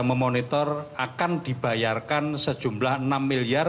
memonitor akan dibayarkan sejumlah enam miliar